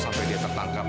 kalau sampai dia tertangkap